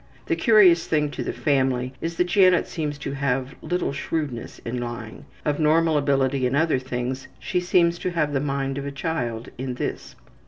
The curious thing to the family is that Janet seems to have little shrewdness in lying; of normal ability in other things, she seems to have the mind of a child in this.